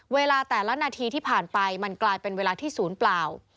เวลาแต่ละนาทีที่ผ่านไปมันกลายเป็นเวลาที่ศูนย์เปล่า